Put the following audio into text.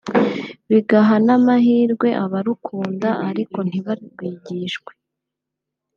bigaha n’amahirwe abarukunda ariko ntibarwigishwe